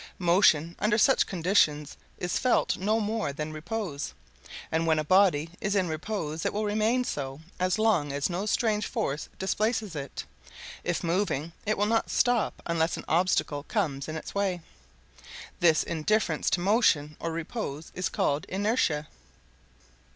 Motion under such conditions is "felt" no more than repose; and when a body is in repose it will remain so as long as no strange force displaces it; if moving, it will not stop unless an obstacle comes in its way. This indifference to motion or repose is called inertia.